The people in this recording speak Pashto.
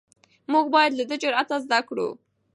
موږ باید له ده جرئت زده کړو.